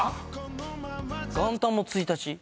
元旦も１日。